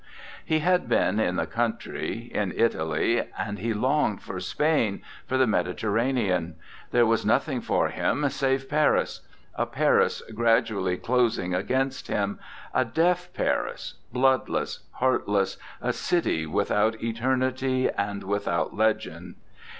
He had been in the country, in Italy, and he longed for Spain, for the Mediter ranean; there was nothing for him save Paris a Paris gradually closing against him, a deaf Paris, bloodless, heartless, a city without eternity and without legend.